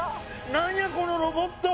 何やこのロボット！